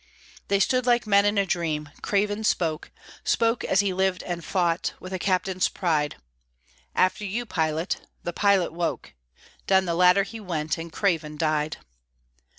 They stood like men in a dream; Craven spoke, Spoke as he lived and fought, with a captain's pride: "After you, Pilot." The pilot woke, Down the ladder he went, and Craven died.